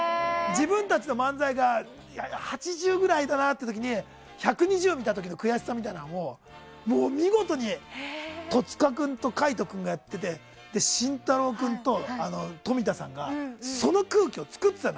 自分たちの漫才が８０くらいだなって時に１２０見た時の悔しさみたいなものを見事に戸塚君と海人君がやっていて慎太郎君と富田さんがその空気を作ってたの。